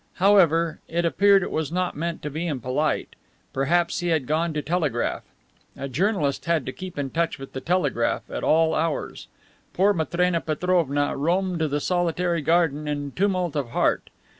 However, it appeared it was not meant to be impolite. Perhaps he had gone to telegraph. A journalist had to keep in touch with the telegraph at all hours. Poor Matrena Petrovna roamed the solitary garden in tumult of heart.